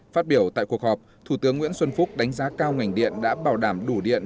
phát biểu tại cuộc họp thủ tướng nguyễn xuân phúc đánh giá cao ngành điện đã bảo đảm đủ điện